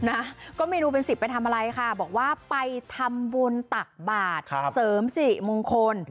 นะก็เมนูเป็นสิบไปทำอะไรคะบอกว่าไปทำบุญตักบาทเสริมศรีมงคล